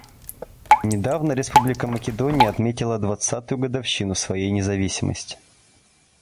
Недавно Республика Македония отметила двадцатую годовщину своей независимости.